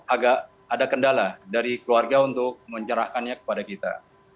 agak ada kendala dari keluarga untuk mencerahkannya kepada kita